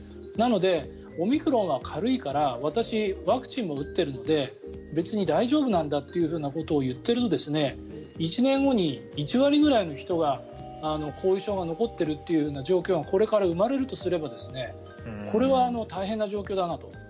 なので、オミクロンは軽いから私、ワクチンも打ってるので別に大丈夫なんだということも言っていると１年後に１割ぐらいの人が後遺症が残っている状況がこれから生まれるとすればこれは大変な状況だなと。